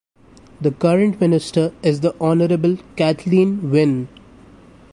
The current Minister is the Honourable Kathleen Wynne.